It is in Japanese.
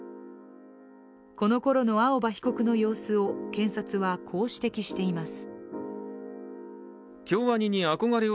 このころの青葉被告の様子を検察は、こう指摘しています。